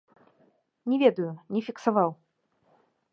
Не ведаю, не фіксаваў.